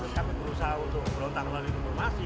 ketika berusaha untuk berontak melalui informasi